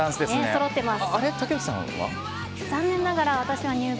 そろってます。